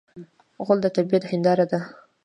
غول د طبعیت هنداره ده.